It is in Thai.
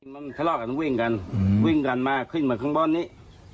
มันทะเลาะกันวิ่งกันวิ่งกันมาขึ้นมาข้างบนนี้